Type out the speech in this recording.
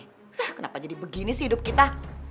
hah kenapa jadi begini sih hidup kita